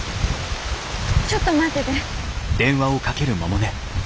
ちょっと待ってで。